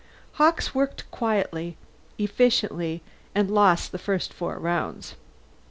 Hawkes worked quietly, efficiently, and lost the first four rounds.